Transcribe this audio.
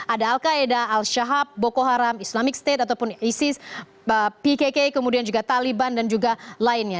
ada al qaeda al shahab bokoharam islamic state ataupun isis pkk kemudian juga taliban dan juga lainnya